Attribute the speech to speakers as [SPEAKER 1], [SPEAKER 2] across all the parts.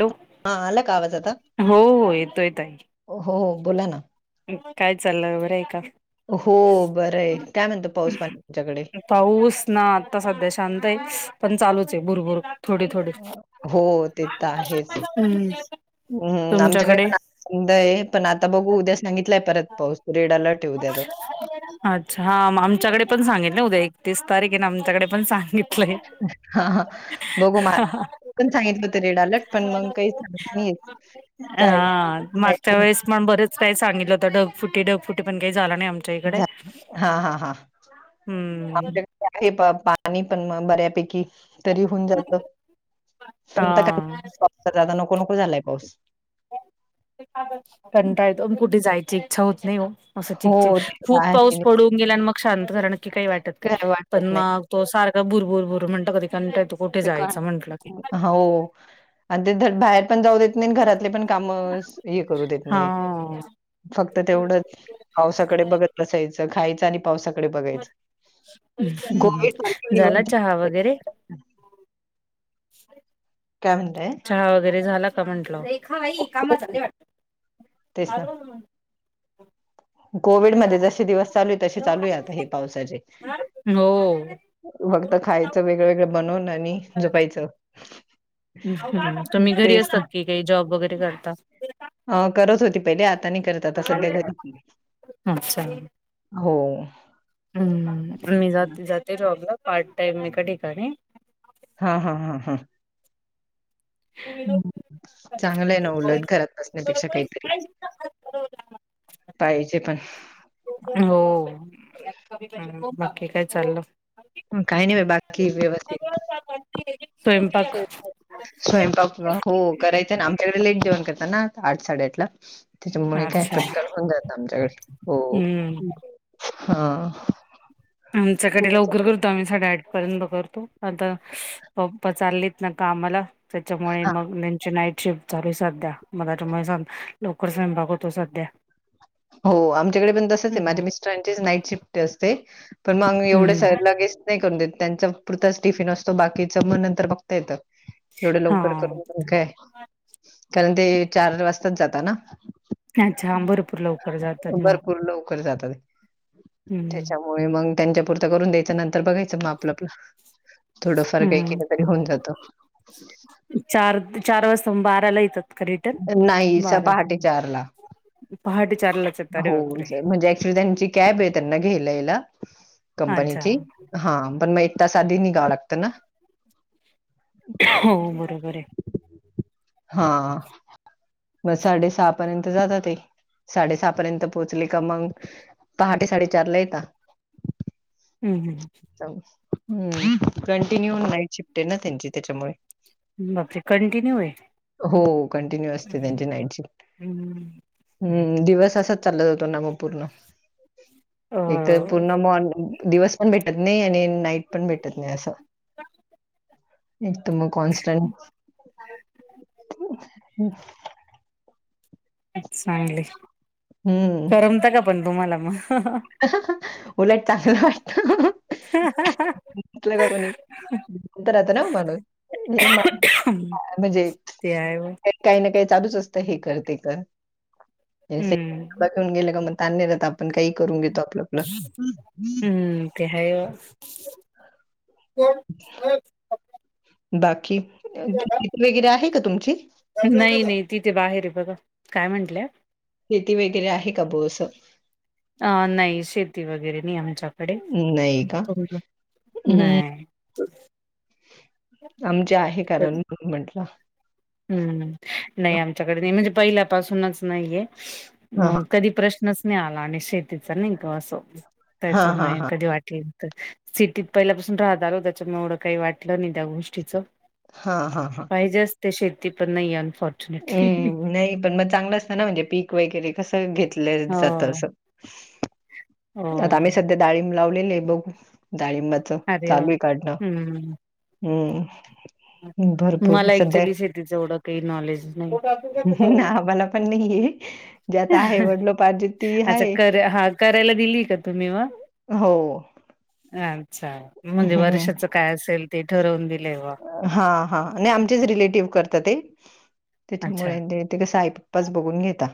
[SPEAKER 1] Hello!
[SPEAKER 2] हा आला का आवाज आता?
[SPEAKER 1] हो हो येतोय ताई.
[SPEAKER 2] हो, बोला ना.
[SPEAKER 1] आणि, काय चाललंय, बरं आहे का?
[SPEAKER 2] हो, बरं आहे. काय म्हणतो पाऊस पाणी तुमच्याकडे?
[SPEAKER 1] पाऊस ना आता सध्या शांत आहे, पण चालूच आहे भुरभुर. थोडी थोडी
[SPEAKER 2] हो, ते तर आहेच.
[SPEAKER 1] हम्म,
[SPEAKER 2] हं, आमच्याकडे
[SPEAKER 1] तुमच्याकडे?
[SPEAKER 2] [unintelligible] पण आता बघू. उद्या सांगितलंय परत पाऊस, रेड अलर्ट उद्या तर.
[SPEAKER 1] अच्छा! हां आमच्याकडे पण सांगितलय उद्या एकतीस तारीख आहे ना, आमच्याकडे पण सांगितलय.
[SPEAKER 2] हा हा, बघू मग पण सांगितलं होत रेड अलर्ट, पण मग काही सांगता येत नाही. काय
[SPEAKER 1] हा,
[SPEAKER 2] काय
[SPEAKER 1] मागच्या वेळेस सकाळी सांगितलं होतं ढगफुटी ढगफुटी, पण काही झालं नाही आम सगळीकडे,
[SPEAKER 2] झालं हां,
[SPEAKER 1] हम्म.
[SPEAKER 2] हे आहे पण पाणी पण बऱ्यापैकी तरी होऊन जातं, [unintelligible] पण काय आता नको
[SPEAKER 1] हा.
[SPEAKER 2] नको झालाय पाऊस.
[SPEAKER 1] कंटाळा येतो, अन कुठे जायची इच्छा होत नाही हो. असं चिकचिक,
[SPEAKER 2] हो, ते तर
[SPEAKER 1] खूप पाऊस
[SPEAKER 2] आहे.
[SPEAKER 1] पडून गेला आणि मग शांत झाला नक्की काही वाटत नाही.
[SPEAKER 2] काय
[SPEAKER 1] पण
[SPEAKER 2] वाटत नाही.
[SPEAKER 1] मग तो सारख ब भरबुर बुर म्हणत कधींटय तो-
[SPEAKER 2] ते काय. हा हो हो आणि ते धड बाहेर पण जाऊ देत नाही घरातले पण काम हे करू देत
[SPEAKER 1] हा
[SPEAKER 2] नाही. फक्त तेवढंच पावसाकडे बघत असायचं खायचं आणि- खायच आणि पावसाकडे बघायचं. ती कोविड
[SPEAKER 1] झाला चहा वगैरे. [inaudible]
[SPEAKER 2] का म्हनताय आणि.
[SPEAKER 1] चहा वगैरे झाला का म्हंटल. [unintelligible]
[SPEAKER 2] कोविड मध्ये जसे दिवस चालू आहे, तसे चालू आहे आता हे पावसाचे.
[SPEAKER 1] हो
[SPEAKER 2] फक्त खायचं वेगळं, वेगळं बनवून आणि झोपायचं.
[SPEAKER 1] तुम्ही घरी
[SPEAKER 2] तेच
[SPEAKER 1] असतात की काही जॉब वगैरे करता?
[SPEAKER 2] अं करत होती पहिले आता नाही करत आता
[SPEAKER 1] अच्छा
[SPEAKER 2] सध्या घरी. हो.
[SPEAKER 1] हम्म मी जाते, जाते जॉबला पार्ट टाइम एका ठिकाणी
[SPEAKER 2] हा हा हा हा. चांगलं आहे ना, उलट घरात बसण्यापेक्षा काहीतरी पाहिजे पण.
[SPEAKER 1] हो बाकी काय चाललं?
[SPEAKER 2] काही नाही बा बाकी व्यवस्थित
[SPEAKER 1] स्वयंपाक
[SPEAKER 2] स्वयंपाक हो करायचं ना, आमच्याकडे लेट जेवण करतातना आठ साडेआठ ला. त्याच्यामुळे काय
[SPEAKER 1] अच्छा
[SPEAKER 2] पटकन होऊन जात आमच्याकडे हो
[SPEAKER 1] हम्म
[SPEAKER 2] हा.
[SPEAKER 1] आमच्याकडे लवकर आम्ही साठेआठ पर्यंत करतो आता पप्पा चाललेत ना कामाला त्याच्यामुळे मग त्यांची नाईट शिफ्ट सद्या [unintelligible] लवकर सांग बाबा सध्या
[SPEAKER 2] हो आमच्याकडे पण तसच आहे
[SPEAKER 1] हम्म
[SPEAKER 2] माझ्या मिस्टरांची नाईट शिफ्ट असते. पण मग एवढ्या
[SPEAKER 1] हम्म
[SPEAKER 2] सगळं लगेच नाही करून देत, त्यांच्या पुरताच टिफिन असतो बाकीचं मग नंतर बघता येत. एवढं
[SPEAKER 1] हा
[SPEAKER 2] लवकर करून काय, कारण ते चार वाजताच जाता ना.
[SPEAKER 1] भरपूर लवकर. जातात मग
[SPEAKER 2] भरपूर लवकर जातात
[SPEAKER 1] हम्म
[SPEAKER 2] त्याच्यामुळे. मग त्यांच्यापुरतं करून द्यायचं नंतर बघायचं मग आपल आपल. थोडंफार काही
[SPEAKER 1] हम्म
[SPEAKER 2] केलं तरी होऊन जात.
[SPEAKER 1] चार, चार वाजता म बारिला येतात. का रिटर्न
[SPEAKER 2] नाही स पहाटे चार ला.
[SPEAKER 1] पहाट चारला.
[SPEAKER 2] हो म्हणजे ऍक्च्युली त्यांची कॅब आहे त्यांना घ्यायला याला
[SPEAKER 1] अच्छा
[SPEAKER 2] कंपनीची. हा पण मग एक तास आधी निघावं लागत ना.
[SPEAKER 1] हो बरोबर आहे.
[SPEAKER 2] हा. मग साडे सहा पर्यंत जात ते साडे सहा पर्यंत पोहोचले का मग पहाटे साडेचारला येता.
[SPEAKER 1] हम् हम्.
[SPEAKER 2] ह् कंटिन्यू नाईट शिफ्ट आहे ना त्यांची त्याच्यामुळे.
[SPEAKER 1] बापरे कंटिन्यू आहे.
[SPEAKER 2] हो कंटिन्यू असते त्यांची नाईट शिफ्ट.
[SPEAKER 1] हम्म
[SPEAKER 2] हम्म दिवस असाच चालत जातो. ना मग पूर्ण एक तरर
[SPEAKER 1] हो
[SPEAKER 2] पूर्ण, मॉर् दिवस पण भेटत नाही, आणि नाईट पण भेटत नाही, असं एक तर म कॉन्स्टंट हम्.
[SPEAKER 1] चांगलय
[SPEAKER 2] हं,
[SPEAKER 1] करमता का पण तुम्हाला मग?
[SPEAKER 2] उलट [unintelligible] वाटत.
[SPEAKER 1] [inaudible]
[SPEAKER 2] म्हटलं का कोणी राहता ना म्हणून
[SPEAKER 1] ह, ते आहे.
[SPEAKER 2] काही ना काही चालूच असतं, हे कर ते कर
[SPEAKER 1] हम्म
[SPEAKER 2] घेऊन गेलं का? ताण नाही देत आपण काही करून घेतो आपलं. आपलं.
[SPEAKER 1] हम्म ते आहे
[SPEAKER 2] बाकी, [unintelligible] वगैरे आहे का तुमची
[SPEAKER 1] नाही नाही तिथे, बाहेर आहे, बघा काय म्हंटले?
[SPEAKER 2] शेती वगैरे आहे का बोस
[SPEAKER 1] अ नाही शेती वगैरे नाही आमच्याकडे
[SPEAKER 2] नाही का? हं,
[SPEAKER 1] नाही. तर
[SPEAKER 2] आमच्या आहे कारण म्हंटलं
[SPEAKER 1] हम्म, नाही आमच्याकडे नाही म्हणजे, पहिल्यापासूनच नाहीये.
[SPEAKER 2] हां, हां.
[SPEAKER 1] कधी प्रश्नच नाही आला आणि शेतीचा नाही, का असं
[SPEAKER 2] हां, हां,
[SPEAKER 1] त्याचमुळे
[SPEAKER 2] हां.
[SPEAKER 1] कधी वाटे सिटीत पहिल्यापासून राहतल आलो त्याच्यामुळे एवढं काही वाटलं नाही त्या गोष्टीचं.
[SPEAKER 2] हा, हा, हा.
[SPEAKER 1] पाहिजे असते, शेती पण नाही आहे.
[SPEAKER 2] हम्म नाही पण मग चांगलं, असत ना म्हणजे पीक वगैरे कसं घेतलं
[SPEAKER 1] हो
[SPEAKER 2] जात असं.
[SPEAKER 1] हो
[SPEAKER 2] आता आम्ही सध्या डाळींब लावलेली आहे बघू. डाळिंबाच
[SPEAKER 1] अरे वा!
[SPEAKER 2] चालूय काढणं
[SPEAKER 1] हम्म.
[SPEAKER 2] हम्म.
[SPEAKER 1] मला ऍक्च्युली शेतीच एवढं काही नॉलेज नाही.
[SPEAKER 2] आम्हाला पण नाहीे आहे. वडिलोपार्जित ती
[SPEAKER 1] अच्छा
[SPEAKER 2] आहे.
[SPEAKER 1] क, हा करायला दिली का तुम्ही मग.
[SPEAKER 2] हो
[SPEAKER 1] अच्छा म्हणजे,
[SPEAKER 2] हं.
[SPEAKER 1] वर्षाच काय असेल, ते ठरवून दिलेय ब
[SPEAKER 2] हा, हा, आणि आमचेच रिलेटिव्ह करतात. ते
[SPEAKER 1] अच्छा.
[SPEAKER 2] त्याच्यामुळे ते क साई च बघून घेता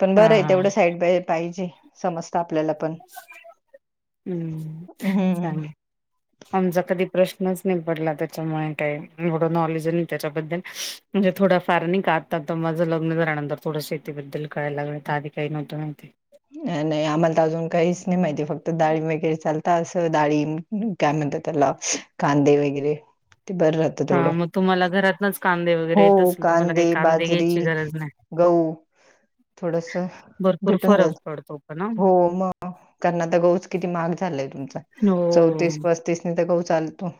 [SPEAKER 2] पण
[SPEAKER 1] हा
[SPEAKER 2] बरं आहे,
[SPEAKER 1] हा
[SPEAKER 2] तेवढं साईड बाय पाहिजे. समज आपल्याला पण
[SPEAKER 1] हम्म
[SPEAKER 2] हंम
[SPEAKER 1] चांगल आमचा कधी प्रश्नच नाही पडला, त्याच्यामुळे काही एवढं नॉलेज त्याच्याबद्दल. म्हणजे थोडा फार नाही का आतातात माझं लग्न झाल्यानंतर. थोडं शेतीबद्दल कळायला लागल, आधी काही नव्ह नव्हते.
[SPEAKER 2] नाही नाही आम्हाला तर अजून काहीच नाही माहितीे, फक्त डाळींब वगैरे चालत आता अस डाळींब काय म्हणतात. त्याला कांदे वगैरे ते बर राह
[SPEAKER 1] हा मग तुम्हाला घरातनच कांदे वगैरे
[SPEAKER 2] हो,
[SPEAKER 1] येत असेल तुम्हाला
[SPEAKER 2] कांदे,
[SPEAKER 1] काही
[SPEAKER 2] बाजरी,
[SPEAKER 1] घ्यायची गरज नाही
[SPEAKER 2] गहू थोडस
[SPEAKER 1] भरपूर
[SPEAKER 2] भेटून
[SPEAKER 1] फरक
[SPEAKER 2] जात
[SPEAKER 1] पडतो पण हा
[SPEAKER 2] हो मग कारण आता गहूच किती महाग झालाय तुमचा
[SPEAKER 1] हो
[SPEAKER 2] चौतीस पस्ती तीस नाही तर गहु चालत नाय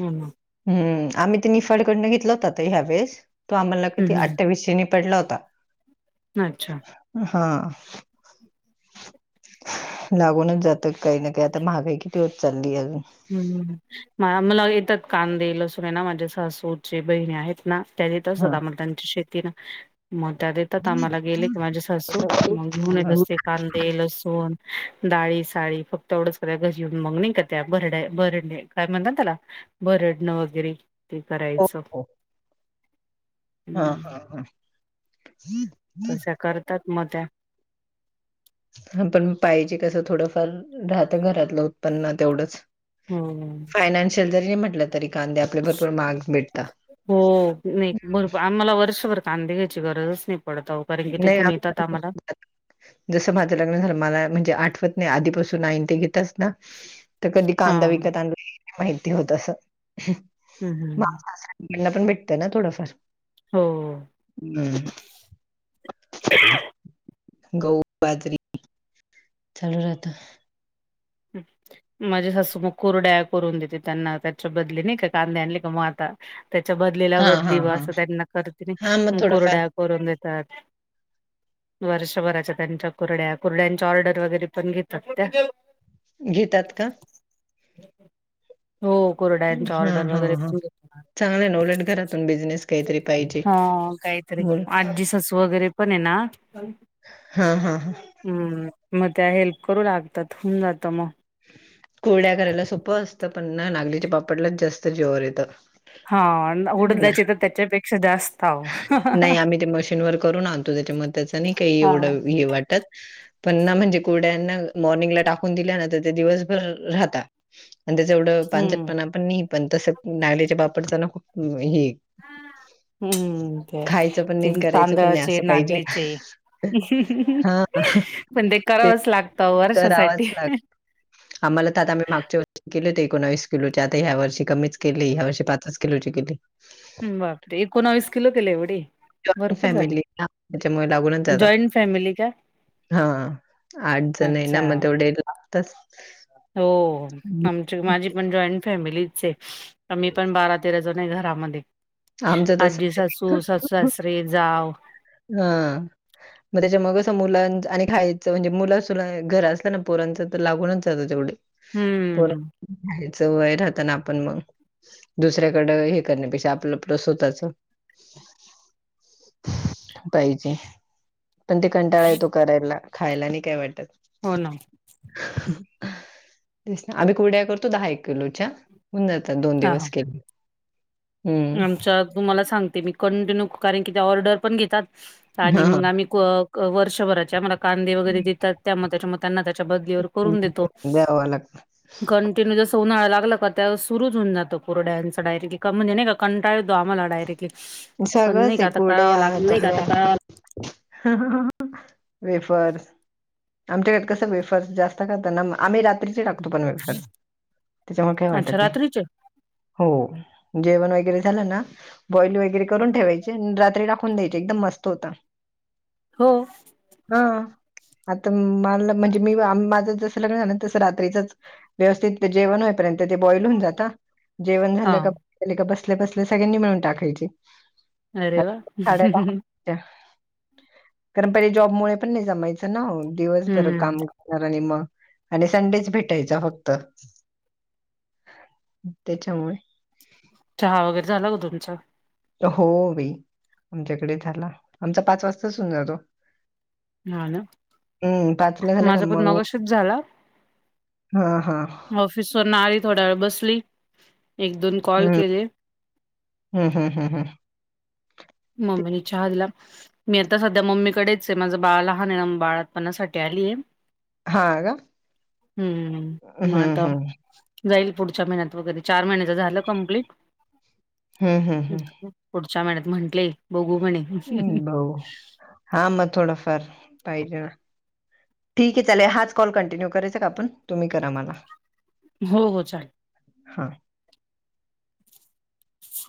[SPEAKER 1] हम् ह
[SPEAKER 2] हम् आम्ही ते निफाड कडनं घेतला होता ह्या वेळेस तो आम्हाला किती
[SPEAKER 1] हम्म
[SPEAKER 2] अठवीसशे पडला होता.
[SPEAKER 1] अच्छा
[SPEAKER 2] हा लागूनच जातात काही ना काही आता महागाई किती होत चालली अजून.
[SPEAKER 1] हम्! मला येतात कांदे, लसूण आहे ना माझ्या सासूचे बहिणी आहेत ना त्या देत असतात.
[SPEAKER 2] हा
[SPEAKER 1] त्यांची शेती आहे ना मग त्या देता देतात आम्हाला गेले की माझे सासू मग घेऊन येत असते. कांदे, लसूण, डाळी, साळी फक्त एवढंच की घरी येऊन बग नाही का त्यात. बरड बरडणे काय म्हणतात त्याला भरडण वगैरे ते करायचं.
[SPEAKER 2] हा
[SPEAKER 1] हम्म
[SPEAKER 2] हा हा.
[SPEAKER 1] तश्या करतात मग त्या.
[SPEAKER 2] ह पण पाहिजे कसं थोडंफार राहतं. घरातलं उत्पन्न तेवढंच.
[SPEAKER 1] होय.
[SPEAKER 2] फायनान्शियल जरी म्हटलं तरी कांदे आपल्याला भरपूर महागच भेटता.
[SPEAKER 1] हो. नाहीत मग आम्हाला वर्षभर कांदे घ्यायची गरजच नाही पडत अहो. कारण की
[SPEAKER 2] नाही
[SPEAKER 1] तिथून येतात
[SPEAKER 2] अजून
[SPEAKER 1] आम्हाला
[SPEAKER 2] तरी जसं माझं लग्न झालं मला म्हणजे आठवत नाही आधीपासून आईन ते घेतच ना. तर कधी
[SPEAKER 1] हा
[SPEAKER 2] कांदा विकत आणलेलं माहिती होत अस
[SPEAKER 1] हम्म हम्म
[SPEAKER 2] गेला तर भेटतंय ना थोडंफार.
[SPEAKER 1] हो
[SPEAKER 2] हम्. गहू, बाजरी चालू राहत.
[SPEAKER 1] हं. माझी सासू मग कुरड्या करून देते. त्यांना त्याच्या बदली नाही का कांद्या आणले का मगं आता. त्याच्या बदलीला
[SPEAKER 2] हां, हां,
[SPEAKER 1] बदली व
[SPEAKER 2] हां.
[SPEAKER 1] असं त्यांना
[SPEAKER 2] हां, मग
[SPEAKER 1] करतने
[SPEAKER 2] थोडंफार
[SPEAKER 1] कुरड्या करून देतात. वर्षभराच्या त्यांच्या कुरड्या कुरड्यांच्या ऑर्डर वगैरे पण घेतात त्या.
[SPEAKER 2] घेतात का?
[SPEAKER 1] हो कुरड्यांचा
[SPEAKER 2] हां,
[SPEAKER 1] ऑर्डर
[SPEAKER 2] हां,
[SPEAKER 1] वगैरे
[SPEAKER 2] हां.
[SPEAKER 1] पण घेतात.
[SPEAKER 2] चांगलं आहे ना उलट घरातून बिझनेस काहीतरी पाहिजे.
[SPEAKER 1] हा काहीतरी
[SPEAKER 2] बोल
[SPEAKER 1] आजी सासू वगैरे पण हे ना
[SPEAKER 2] हा हा हा.
[SPEAKER 1] हम्. मग त्या हेल्प करू लागतात होऊन जातं मग.
[SPEAKER 2] कुरड्या करायला सोपं असतं. पण ना नागलीच्या पापडलाच जास्त जिवावर येतं.
[SPEAKER 1] हा
[SPEAKER 2] ना
[SPEAKER 1] उडदाचे तर त्याच्यापेक्षा जास्त आहो
[SPEAKER 2] नाही आम्ही ते मशीनवर करून आणतो. त्याच्यामध्ये त्याच नाही काही
[SPEAKER 1] हा
[SPEAKER 2] एवढं हे वाटत. पण ना म्हणजे कुरुड्याना मॉर्निंगला टाकून दिल्या ना तर ते दिवसभर राहता. आणि त्याच एवढं
[SPEAKER 1] हम्म.
[SPEAKER 2] पानसटपणा पण नाही. पण तसं नाल्याच्या पापडचा ना खूप हे.
[SPEAKER 1] हा. हम्म
[SPEAKER 2] खायचं पण नाही आणि
[SPEAKER 1] ते
[SPEAKER 2] करायचं पण नाही
[SPEAKER 1] तांदळाचे,
[SPEAKER 2] असं पाहिजे
[SPEAKER 1] नागलीचे हम
[SPEAKER 2] हां
[SPEAKER 1] पण ते करावंच लागत
[SPEAKER 2] करावाच
[SPEAKER 1] वर्षासाठी.
[SPEAKER 2] लाग आम्हाला तर आता आम्ही मागच्या वर्षी केले होते एकोणावीस किलोचे. आता ह्या वर्षी कमीच केली ह्या वर्षी पाचच किलोची केली.
[SPEAKER 1] बापरे, एकोणावीस किलो केले एवढे.
[SPEAKER 2] जॉईंट
[SPEAKER 1] भरपूर झाले
[SPEAKER 2] फॅमिली ना त्याच्यामुळे लागूनच जातात.
[SPEAKER 1] जॉईंट फॅमिली का?
[SPEAKER 2] हा आठ जण आहे ना
[SPEAKER 1] अच्छा
[SPEAKER 2] मगं तेवढे लागतच.
[SPEAKER 1] हो. आमची माझी पण जॉईंट फॅमिलीच आहे. आम्ही पण बारा, तेरा जनी घरामध्ये
[SPEAKER 2] आमचं तसं
[SPEAKER 1] आजी
[SPEAKER 2] आहे.
[SPEAKER 1] सासू, सासू, सासरे, जाव
[SPEAKER 2] ह आ. मग त्याच्या मग असं मुलांच आणि खायचं म्हणजे मुलं सून घर असलं ना पोरांच तर लागूनच जातं तेवढ. थोड
[SPEAKER 1] हम्म
[SPEAKER 2] खायच वय राहतना आपण मग दुसऱ्याकड हे करणे पेक्षा आपलं तसं त्याचं पाहिजे. पण, ते कंटाळा येतो करायला, खायला नही काय वाटत.
[SPEAKER 1] हो ना.
[SPEAKER 2] तेच ना, आम्ही कुरडया करतो, दहा एक किलोच्या. होऊन जातात, दोन
[SPEAKER 1] हा हा.
[SPEAKER 2] दिवस केले, तर.
[SPEAKER 1] आमच्या तुम्हाला सांगते मी, कंटिन्यू, कारण कि त्या ऑर्डर पण घेतात, आणि
[SPEAKER 2] हां, हां.
[SPEAKER 1] मग आम्ही क् वर्षभराचे आम्हाला, कांदे वगैरे देतात. त्या म, त्याच्या म त्यांना, त्याच्या बदलीवर, करून देतो.
[SPEAKER 2] द्यावं लागतं.
[SPEAKER 1] कंटिन्यू जस उन्हाळा लागला का, त्या सुरूच होऊन जातो, कुरडाय़ांचा डारेक्ट, का म्हणजे नही का? कंटाळा येतो, आम्हाला डायरेक्टली. पण नाही
[SPEAKER 2] सगळंच
[SPEAKER 1] का
[SPEAKER 2] ये,
[SPEAKER 1] आता करावं
[SPEAKER 2] कुरडया
[SPEAKER 1] लागतं
[SPEAKER 2] [unintelligible] वेफर्स आमच्या घरात, कसं वेफर्स जास्त खाता ना, मं आम्ही रा त्रीचे टाकतो पण वेफर्स, त्याच्यामुळ काही
[SPEAKER 1] अच्छा
[SPEAKER 2] वाटत नही.
[SPEAKER 1] रात्रीचे
[SPEAKER 2] हो जेवण वगैरे झालं ना, बॉईल वगैरे करून ठेवायचे, अन् रात्री टाकून [unintelligible] ते एकदम मस्त होता.
[SPEAKER 1] हो.
[SPEAKER 2] हं. आता मी मला, म्हणजे मी, माझं जसं लग्न झालं, तस रात्रीचच व्यवस्थित ते जेवण होईपर्यंत, ते बॉईल होऊन जाता, जेवण
[SPEAKER 1] हा
[SPEAKER 2] झालं का ले का, बसल्या- बसल्या सगळ्यांनी, मिळून टाकायचे.
[SPEAKER 1] अरे वा!
[SPEAKER 2] साड्या टाकायच्या कारण, पहिले जॉब मुळे पण, नही जमायचं ना, दिवसभर काम
[SPEAKER 1] हम्म
[SPEAKER 2] [unintelligible] मग मला संडेच, भेटायचा फक्त. त्याच्यामुळ
[SPEAKER 1] चहा वगैरे, झाला का तुमचा?
[SPEAKER 2] हो बाई, आमच्याकडे झाला, आमचा पाच वाजताच, होऊन जातो.
[SPEAKER 1] हा ना
[SPEAKER 2] हम्म, पाचला झाला का,
[SPEAKER 1] माझा पण
[SPEAKER 2] मंग
[SPEAKER 1] मगाशीच झाला
[SPEAKER 2] हं हं.
[SPEAKER 1] ऑफिस वरन आली, थोडा वेळ बसली, एक-दोन कॉल केले.
[SPEAKER 2] हम्म हम्म हम्म्म.
[SPEAKER 1] मम्मीनी चहा दिला. मी आता सध्या मम्मीकडेच ये, माझं बाळ लहान ये ना, बाळातंपणासाठी आली ये.
[SPEAKER 2] हां का?
[SPEAKER 1] हम्म, म
[SPEAKER 2] हं,
[SPEAKER 1] आता
[SPEAKER 2] हं.
[SPEAKER 1] जाईल पुढच्या महिन्यात वगैरे, चार महिन्याच झालं कंप्लीट.
[SPEAKER 2] हं, हं, हं.
[SPEAKER 1] पुढच्या महिन्यात म्हटले, बघू म्हणे.
[SPEAKER 2] बघू, हां मग थोडफार पाहिजे ना. ठीक ये चालेल, हाच कॉल कंटन्यू करायचां, का आपण? तुम्ही करा मला,
[SPEAKER 1] हो हो चालेल.
[SPEAKER 2] हां.